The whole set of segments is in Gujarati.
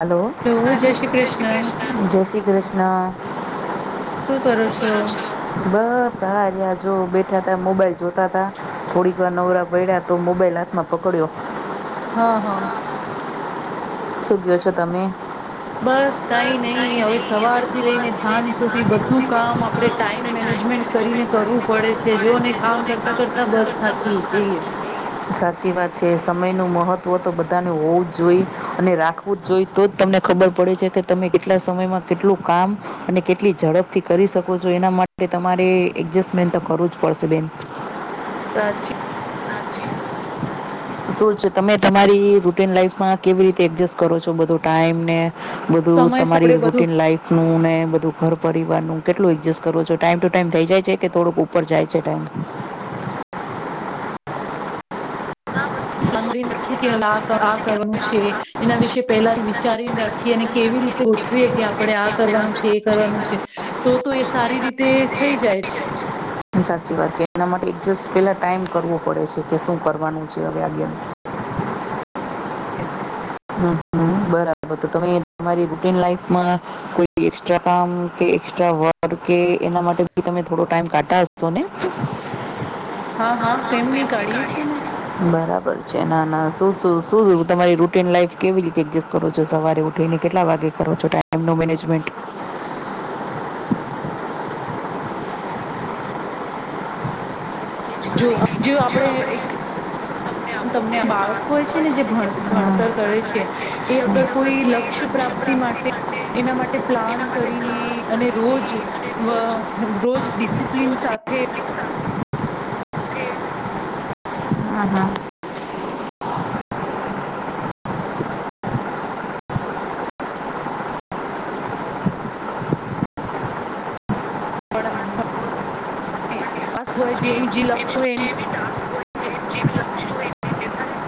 હાલો, જય શ્રી કૃષ્ણ, જય શ્રી કૃષ્ણ. શું કરો છો? બસ સાર જો બેઠા હતા મોબાઈલ જોતા હતા થોડીક વાર નવરા પડ્યા તો મોબાઈલ હાથમાં પકડ્યો. હા હા. શું ગયો છો તમે? બસ કઈ નહી હવે સવારથી લઈને સાંજ સુધી બધું કામ આપડણે ટાઈમ મેનેજમેન્ટ કરીને કરવું પડે છે જો ને કામ કરતા કરતા બસ થાકી જઈએ. સમયનું મહત્ત્વ તો બધાને હોવું જ જોઈએ અને રાખવું જ જોઈએ તો જ તમને ખબર પડે છે કે તમે કેટલા સમયમાં કેટલું કામ અને કેટલી ઝડપ થી કરી શકો છો એના માટે તમારે એડજસ્ટમેન્ટ તો કરવું જ પડશે બેન સાચી સાચી શું છે તમે તમારી રૂટીન લાઈફમાં કેવી રીતે એડજસ્ટ કરો છો બધો ટાઈમ ને બધું સમય તમારી આપડે બધું રૂટીન લાઈફ નુંને બધું ઘર પરર કેટલું એડજસ્ટ કરો છો ટાઈમ ટુ ટાઈમ થઈ જાય છે કે થોડુંક ઉપર જાય છે ટાઇમ ળ નાખીએ કે આ આ કરવાનું છે એના વિશે પહેલાથી વિચારીને રાખીએ અને કેવી રીતે ગોઠવીએ કે આપડણે આ કરવાનું છે એ કરવાનું છે તો તો એ સારી રીતે થઈ જાય છે સાચી વાત છે એના માટે એડજસ્ટ પેલા ટાઈમ કરવો પડે છે કે શું કરવાનું છે હવે આગે [inaudible] બરાબર તમે તમારી રૂટિન લાઈફમાં કોઈ એક્સ્ટ્રા કામ કે એક્સ્ટ્રા વર્ક કે એના માટે તમે થોડો ટાઈમ કાઢતા હશો ને હા હા કેમ નહી કાઢીએ છીએ ને. છે ના ના શુ શુ તમારી રુ ટિ નલાઈફ કેવી રીતે એડજસ્ટ કરો છો સવારે ઉઠીને કેટલા વાગ્યે કરો છો ટાઈમનું મેનેજમેન્ટ. [inaudible] જો જે આપણેે એક તમને આ બાળક હોય છે ને જે હમ. ભણતર કરે છે, એ અગર હમ. કોઈ લક્ષ્ય પ્રાપ્તિ માટે એના માટે પ્લાન એના માટે કરીને ક્લાસ અને કરીને રોજ અને રોજ અ આ રોજ ડિસિપ્લિન રોજ સાથે ડિસિપ્લિન સાથે હા હા માટે પણય અને [unintelligible] જે લક્ષ એનું હોય જે બી ટાસ્ક હોય છે જે બી લક્ષ્ય હોય એને નિર્ધારિત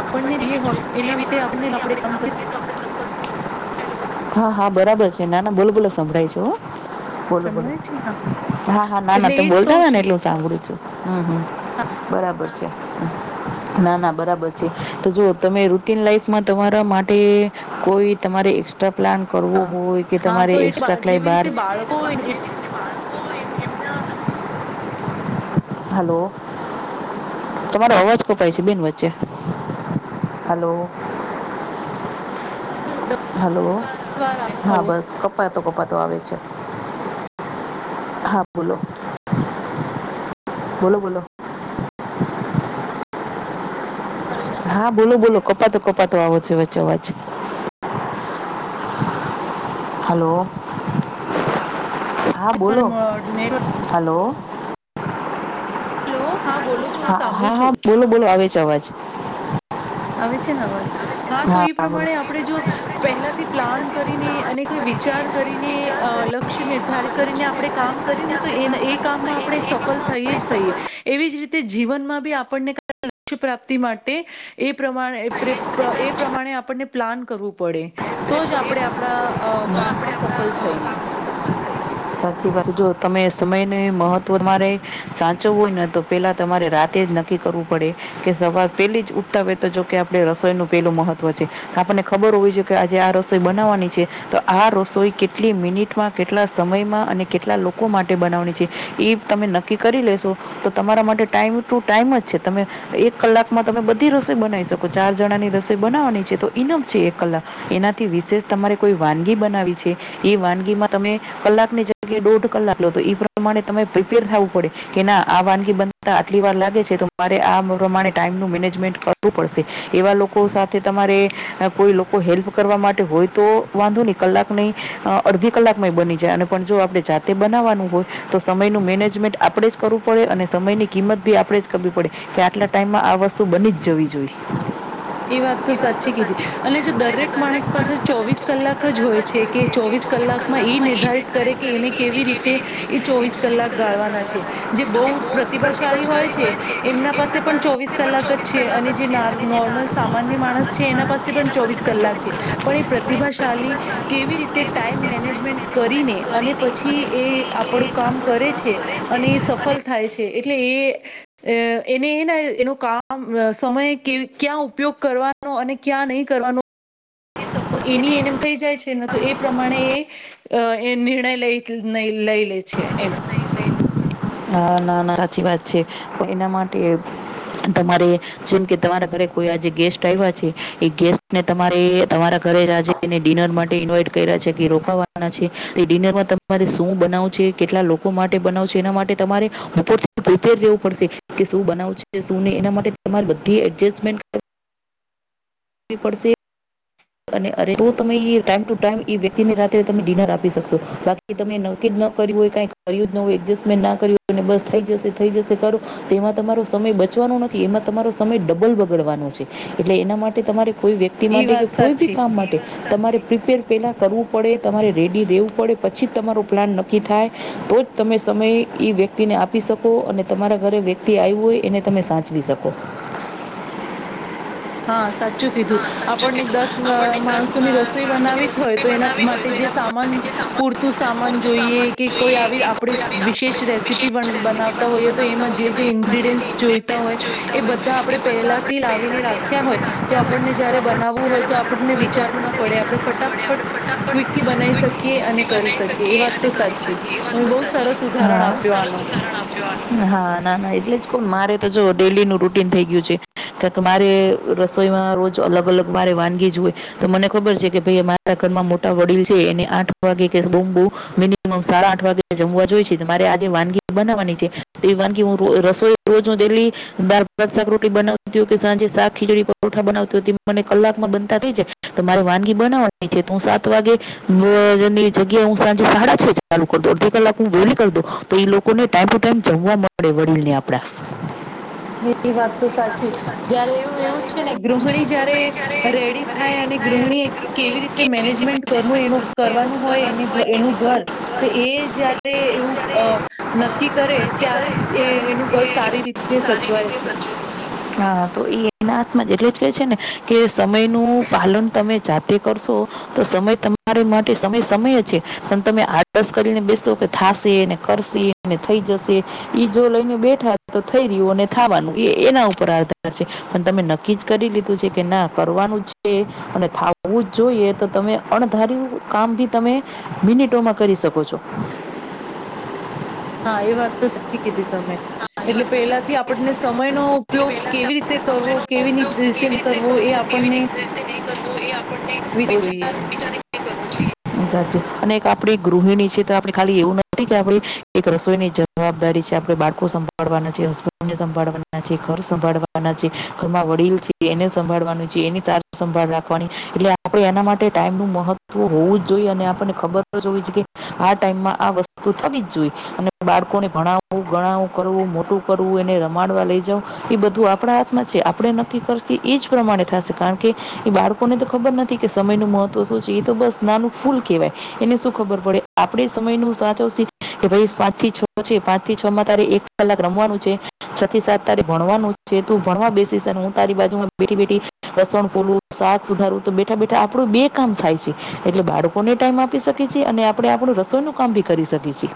આપણને જે બી જો હોય જે એના માટે વિધાન આપને કરીને આપણેે આપણે કામ કરી કરીએ તો આપણે [unintelligible] સફળ હા. હા. બરાબર છે. નાના બોલ બોલો સંભળાય છે હો બોલો. બોલો. સંભળાય છે હા હા. હા. ના. ના. એટલે ત એજ કઉ બોલતા હો ને છું એટલું સાંભળું છું, હમ. બરાબર છે ના. ના. બરાબર છે, તો જો તમે રૂટીન લાઈફમાં તમારા માટે કોઈ તમારે એક્સ્ટ્રા પ્લાન કરવો હા હોય કે હા તમારે તો એટલે એક્સ્ટ્રા કટલાય જેવી રીતે બારજ બાળકો [unintelligible] હલો તમારો અવાજ કપાય છે, બેન વચ્ચે હાલો.. હલો. હા. બસ કપતોકપતો આવે છે. હા. બોલો. બોલો બોલો. હા બોલો બોલો કપાતો કપાતો આવો છે વચે અવાજ હલો. હા બોલો હેલો હલો. હલો? હા. હા. હા. બોલો બોલો અવે છે અવાજ. આવે છે ને અવાજ? હા તો એ બોલો. પ્રમાણે આપણે જો પહેલાથી પ્લાન કુદરતીનું કરીને પ્લાન અને કોઈ ચાર [unintelligible] કરીને વિચાર અ લક્ષ્ય કરીને નિર્ધ કરીને લક્ષ્ય આપણે નિર્ધારિત કામ કરીએ કરીને ને તો આપણે એ કામ એ કામમાં કરીએ તો આપણે સફળ એનામાં થઈએ આપણે જ થઈએ, સફળ એવી જ રીતે જીવનમાં બી આપણને લ્યક્ષ પ્રાપ્તિ માટે એ પ્રમાણે પ્ર એ થઈએ જ પ્રમાણે આપણને પ્લાન કરવું પડે, તો જ આપણે આપણા અ કામમાં આપણા સફળ થઈએ. કામમાં સફળ થઈએ. સાચી વાત જો તમે સમય ન મહત્વ તમારે સાચવું હોયને તો પેલા તમારે રાતે જ નક્કી કરવું પડે કે સવાર પેલી જ ઉઠતા હોય તો જોકે આપડે રસોઈનુ પેલું મહત્વ છે. આપણને ખબર હોવી જોઈએ કે આજે આ રસોઈ બનાવવાની છે તો આ રસોઈ કેટલી મિનિટમાં કેટલા સમયમાં અને કેટલા લોકો માટે બનાવવાની છે એ તમે નક્કી કરી લેશો, તો તમારા માટે ટાઈમ ટુ ટાઈમ જ છે તમે એક કલાકમાં તમે બધી રસોઈ બનાવી શકો ચાર જણાની રસોઈ બનાવવાની છે તો ઇનમ છે એક કલાક એનાથી વિશેષ તમારે કોઈ વાનગી બનાવી છે એ વાનગીમાં તમે કલાકની જગ્યા દોઢ કલાક તો એ પ્રમાણે પ્રિપેર થું પડે કે ના આ વાનગી બનતા આટલી વાર લાગે છે, તો મારે આ પ્રમાણે ટાઈમ ન મેનેજમેન્ટ કરવું પડશે એવા લોકો સાથે તમારે કોઈ લોકો હેલ્પ કરવા માટે હોય તો વાંધો નહી કલાકની અડધી કલાકમાંય બની જે અને પણ જો આપણે જાતે બનાવવાનું હોય તો સમયનું મેનેજમેન્ટ આપણે જ કરવું પડે અને સમયની કિંમત બી આપણે જ કરવી પડે કે આટલા ટાઈમમાં આ વસ્તુ બની જ જવી જોઈએ. એ વાત તો સાચી કીધી અને જો દરેક માણસ પાસે ચોવીસ કલાક જ હોય છે કે ચોવીસ કલાકમાં ઈ નિર્ધારિત કે એને કેવી રીતે એ ચોવીસ કલાક ગાળવાના છે જે બહ પ્રતિભાશાળી હોય છે એમના પાસે પણ ચોવીસ કલાક જ છે અને જે નોર નોર્મલ સામાન્ય માણસ છે, એના પાસે પણ ચોવીસ કલાક છે પણ એ પ્રતિભાશાળલી કેવી રીતે ટાઈઇમ મેનેજમેન્ટ કરીને અને પછી એ આપણું કામ કરે છે અને એ સફળ થાય છે. એટલે એ અ એને એનો કામ સમય ક્યાં ઉપયોગ કરવાનો અને ક્યાં નહીં કરવાનો. એની એને થઈ જાય છે તો એ અ પ્રમાણે એ એ નિર્ણય લઈ લઈ લે છે એમ નાા ના ના સાચી વાત છે પણ એના માટે તમારે જેમ કે તમારા ઘરે કોઈ આજે ગેસ્ટ આવ્યા છે એ ગેસ્ટને તમારે તમારા ઘરે રાજજે અને ડિનર માટે ઇન્વાઈટ કર્યા છે કે રોકાવાના છે તે ડિનર માં તમારે શું બનાવુ છે કેટલા લોકો માટે બનાવો છે એના માટે તમારે ઉપરથી ઉેર રહેવું પડશે કે શું બનાવશે શું નહીં એના માટે તમારે બધી એડજસ્ટમેન્ટ અને અરે તો તમે એ ટાઈમ ટુ ટાઈમ એ વ્યક્તિને રાત્રે તમે ડિનર આપી શકશો બાકી તમે નક્કી ન કર્યું હોય કઈ કર જ ન હો એડજમેન્ટ ના કર હોય બસ થઈ જશે થઈ જશે કરો તેમાં તમારો સમય બચવાનો નથી એમાં તમારો સમય ડબલ બગડવાનો છે એટલે એના માટે તમારી કોઈ વ્યક્તિ એ માટે કે વાત કોઈ બી સાચી કામ માટે તમારે પ્રિપેર પેલા કરવું પડે તમારે રેડી રહેેવું પડે પછી તમારો પ્લાન નક્કી થાય તો જ તમે સમય એ વ્યક્તિને આપી શકો અને તમારા ઘરે વ્યક્તિઆયવું હોય એને તમે સાચવી શકો હા સાચું કીધું હા સાચું આપણને કીધું દસ અમ આપણને દસ માણસોની રસોઈ માણસોની બનાવી હોય રસોઈ તો એના બનાવી હોય માટે તો જે એના સામાન માટે જે સામાન પૂરતું સામાન પૂરતું જોઈએ સામાન કે કોઈ જોઈએ આવી કે આપણે કોઈ આવી વિશેષ આપણે રેસીપી વિશેષ રેસીપી બનાવતા પણ હોઈએ તો બનાવતા એમાં જે હોઈએ તો એમાં જે જે ઇન્ગ્રીડિયન્ટ જોઈતા ઇન્ગ્રેડિયન્ટ્સ હોય જોઈતા એ હોય બધા આપણે એ બધા આપણે પહેલાથી લાવીને પહેલાંથી રાખી હોય લાવીને તો રાખ્યા આપણને હોય તો જયારે આપણને બનાવવું હોય જ્યારે તો બનાવવું આપણને હોય તો વિચારવું ના આપણને પડે આપણે વિચારવું ન પડે ફટાફટ આપણે ક્વિકકી ફટાફટ બનાવી શકીએ અને કરી શકીએ એ વાત તો સાચી તમે બહુ સરસ ઉદાહરણ આપ્યો આનો ના ના એટલે છ કો મારે તો જો ડેલીનું રૂટીન થઈ ગયું છે કારણ કે મારે રસોઈમાં રોજ અલગ અલગ મારે વાનગી જ હોય તો મને ખબર છે કે ભાઈ મારા ઘરમાં મોટા વડીલ છે એને આઠ મિનિમમ સાડા આઠ વાગે જમવા જોઈ છે મારે આજે વાનગી બનાવવાની છે વાનગી હું રસોઈ રોજ ડેલી બાક ર બનાવતી હો સાંજે શાક, ખીચડી, પરોઠા બનાવતીતી મને કલાકમાં બનતા થઈ છે તો મારે વાનગી બનાવવાની છે હું સાત વાગે [inaudible] જગ્યા હુ સાંજે સાડા છે ચાલ અડધી કલાક હું વેલી કર દવ તો લોકોને ટમ ટુ ટાઈમ જવા મળે વડીલ ને આપડા. હા એ વાત તો સાચી જયારે એવું એવું છે ને ગૃહિણી જયારે રેડી થાય અને ગૃહિણી કેવી રીતે મેનેજમેન્ટ કરનું એનું કરવાનું હોય એની એનું ઘર તો એ ઘર જયારે એ એવું જ્યારે અ નક્કી કરે અ, નક્કી કરે ત્યારે જ એ ત્યારે એનું જ ઘર એ સારી રીતે સ સારી રીતે સચવે હા તો એ એના હાથમાં એટલે જ કે છે ને કે સમય નું પાલન તમે જાતે કરશો તો સમય તમારી માટે સમય સમય છે અને તમે આડસ કરીને બેસો કે થશેને, કરશેને, થઈ જશે એ જો લઈને બેઠા તો થઈ રહ્યો થાવાનું એ એના ઉપર આધાર છે પણ તમે નક્કી જ કરી લીધું છે કે ના કરવાનું છે અને થાવવું જ જોઈએ. તો તમે અણધાર કામ ભી તમે મિનિટોમાં કરી શકો છો. હા એ વાત તો સાચી કીધી. તમે હા એ એટલે વાત તો સાચી પેલાથી કીધી આપણને તમે સમય નો એટલે ઉપયોગ પહેલાથી કેવી રીતે આપણે કરવો, સમયનો કેવી ઉપયોગ રીતે કેવી કરવો એ કેવી આપણને રીતે નહીં કરવો એ આપણને વિ જોઈએ એમ. સાચી અને આપણી ગૃહિણી છે તો આપણે ખાલી એવું નથી કે આપણે એક રસોઈની જવાબદારી છે આપણે બાળકો સંભળવાના છે હસબન્ડને સંભાળવાના છે ઘર સંભાળવાના છે ઘરમાં વડીલ છે એને સંભાળવાનું છે એની સારા સંભાળ રાખવાની એટલે આપણે એના માટે ટાઈમનું મહત્વ હોવું જ જોઈ આપણને ખબર હોવી છે કે આ ટાઈમમાં આ વસ્તુ થવી જ જોઈએ અને બાળકોને ઘણું ગણાવું કરવું મો શું કરવું એને રમાડવા લઈ જાવ એ બધું આપણા હાથમાં છે આપણે નક્કી કરશ એ જ પ્રમાણે થશે કારણ કે એ બાળકોને તો ખબર નથી કે સમય ન મહત્વ શું છે એ તો બસ નાનું વાય એને શું ખબર પડે આપડે સમય ન સાચવ કે ભાઈ પાંચ થી છ છે પાંચ થી છ માં તારે એક કલાક રમવાનું છે છ થી સાત તારે ભણવાનું છે તું ભણવા બેસીશ ને હું તારી બાજુ બેઠી બેઠી લસણ ખોલું સાથ સુધારું તો બેઠા બેઠા આપડું બે કામ થાય છે એટલે બાળકો કોને ટાઈઇમ આપી શકીએ છીએ અને આપણે આપણું રસોઈનું કામ બી કરી શકીએ છીએ.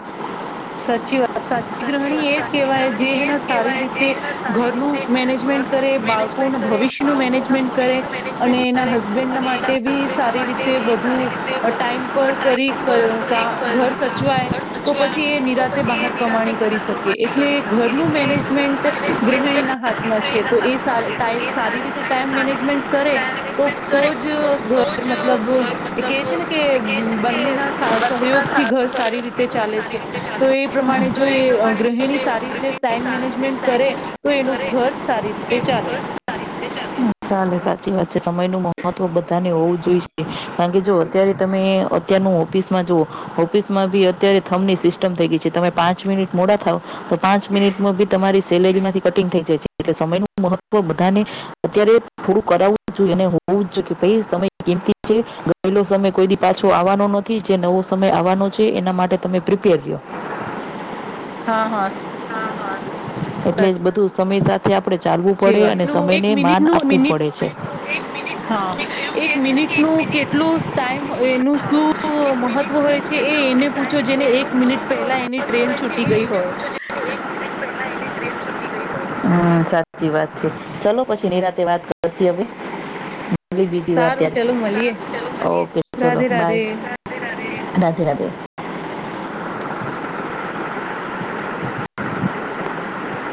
સાચી વાત સાચી ગ્રહણી વાત એ જ કહેવાય જે સાહિત્રવાણી એ હેને જ સારી કહેવાય જે રીતે એના સારી ઘરનું રીતે ઘરનું મેનેજમેન્ટ કરે મેનેજમેન્ટ બાળકોના કરે ભવિષ્યનું બાળકોના મેનેજમેન્ટ કરે ભવિષ્યનું અને મેનેજમેન્ટ એના કરે હસબેન્ડના અને માટે એના બી હસબન્ડ સારી માટે રીતે બી વધુ સારી અ રીતે ટાઈમ પર કરી ટાઈમ પર કરીઅકા બ્રેક પર ઘર કામ સચવાય ઘર સચવાય પછી એ તો નિરાતે પછી એ બહાર નિરાતે કમાણી કરી મહત્વ શકે માટે એટલે કરી શકે ઘરનું મેનેજમેન્ટ એટલે મેનેજમેન્ટ ગ્રહિણીના હાથમાં છે. એના તો એના એ સ એ હાથમાં છે સા તો એ સારી રીતે ટાઈમ સારી મેનેજમેન્ટ કરે તો મેનેજમેન્ટ તો કરે જ તો ઘર જ મતલબ ઘર કે મતલબ છે ને કે એ કહે છે ને કે બંનેના સા બંનેના સહયોગથી ઘર સા- સારી રીતે સહયોગથી ઘર ચાલે સારી છે. રીતે ચાલે તો એ છે પ્રમાણે તો જો એ પ્રમાણે જો ગૃહિણી તે સારી રીતે ગૃહિણી ટાઈમ સાથે મેનેજમેન્ટ ટાઈમ કરે તો મેનેજમેન્ટ એનું કરે ઘર સારી રીતે એનું ઘર ચાલે સારી રીતે ચાલે. ચાલે સાચી વાત છે સમય નું મહત્વ બધાને હોવું જોઈ છે કારણ કે જો અત્યારે તમે અત્યારનું ઓફિસમાં જુઓ ઓફિસમાં બી અત્યારે થમની સિસ્ટમ થઈ ગઈ છે તમે પાંચ મિનિટ મોડા થાવ પાંચ મિનિટમાં ભી તમારી સેલેરીમાંથી કટિંગ થઈ જાય છે એટલે સમય નુ મહત્વ બધાને અત્યારે થોડું કરાવું જ જોઈએ અને હોવું જ જોઈએ કે ભઈ સમય કીમતી છે, ગયેલો સમય કોઈદી પાછો આવવાનો નથી, જે નવો સમય આવવાનો છે એના માટે તમે પ્રિપેર રયો. હા, હા. એટલે જ બધું સમય સાથે આપડે ચાલવું પડે અને સમયને નો આપવું મિનિટ પડે છે. એક મિનિટ હા એવું એક કે છે ને કે એક મિનિટનું મિનિટ કેટલું ટાઈમ સ હોય એનું શું નું એક મહત્વ મિનિટ નું હોય છે કેટલું એ એને પૂછો જેને એક મિનિટ પહેલા એની ટ્રેન છૂટી ગઈ હોય. હમ્મ સાચી વાત છે. ચલો પછી નિરાતે વાત કરશી હવે. બી બીજી વાર સારું ત્યાં, ચલો મળીએ ઓકે ચલો રાધે બાય, રાધે. રાધે-રાધે. [inaudible]